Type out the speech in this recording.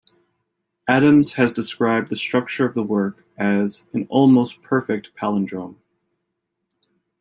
Adams has described the structure of the work as an "almost perfect palindrome".